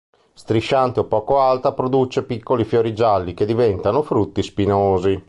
Strisciante o poco alta, produce piccoli fiori gialli che diventano frutti spinosi.